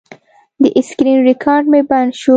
د سکرین ریکارډ مې بند شو.